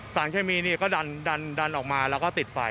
สารเคมีก็ดันออกมาแล้วก็ติดไฟ